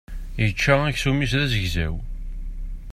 Yečča aksum-is d azegzaw.